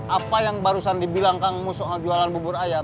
apa yang barusan dibilang kamu soal jualan bubur ayam